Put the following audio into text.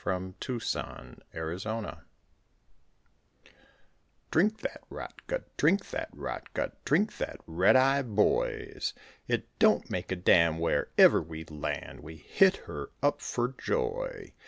DRINKING SONG Drink that rot gut, drink that rot gut, Drink that red eye, boys; It don't make a damn wherever we land, We hit her up for joy.